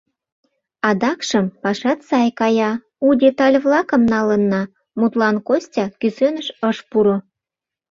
Адакшым пашат сай кая, у деталь-влакым налынна, — мутлан Костя кӱсеныш ыш пуро.